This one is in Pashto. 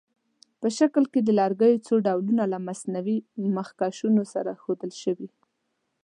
په شکل کې د لرګیو څو ډولونه له مصنوعي مخکشونو سره ښودل شوي.